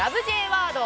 Ｊワード。